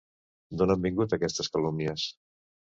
D'on han vingut aquestes calúmnies?